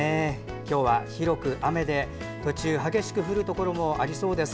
今日は広く雨で、途中激しく降るところもありそうです。